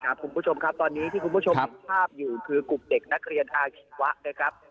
คุณผู้ชมครับตอนนี้ที่คุณผู้ชมเห็นภาพอยู่คือกลุ่มเด็กนักเรียนอาชีวะนะครับ